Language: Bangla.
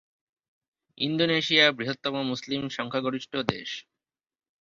ইন্দোনেশিয়া বৃহত্তম মুসলিম-সংখ্যাগরিষ্ঠ দেশ।